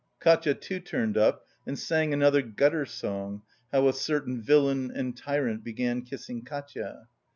Katia too turned up and sang another gutter song, how a certain "villain and tyrant," "began kissing Katia."